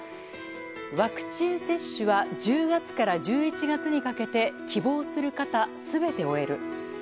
ワクチン接種は１０月から１１月にかけて希望する方、全て終える。